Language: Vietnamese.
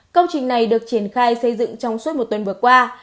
công trình này được triển khai xây dựng trong suốt một tuần vừa qua